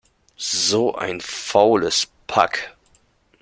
So ein faules Pack!